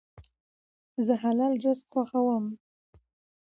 زه حلال رزق خوښوم.